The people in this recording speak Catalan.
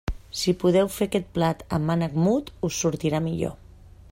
Si podeu fer aquest plat amb ànec mut, us sortirà millor.